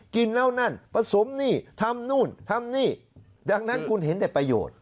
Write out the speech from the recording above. กินแล้วนั่นผสมนี่ทำนู่นทำนี่ดังนั้นคุณเห็นแต่ประโยชน์